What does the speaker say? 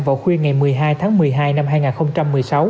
vào khuya ngày một mươi hai tháng một mươi hai năm hai nghìn một mươi sáu